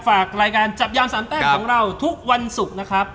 ฝากรายการจับยามสามแต้มของเราทุกวันศุกร์นะครับ